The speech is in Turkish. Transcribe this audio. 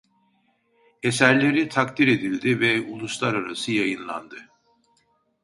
Eserleri takdir edildi ve uluslararası yayınlandı.